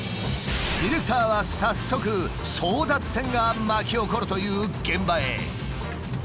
ディレクターは早速争奪戦が巻き起こるという現場へ。